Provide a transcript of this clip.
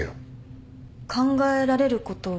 考えられることは。